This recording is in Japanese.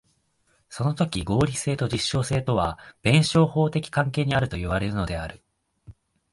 そのとき合理性と実証性とは弁証法的関係にあるといわれるのである。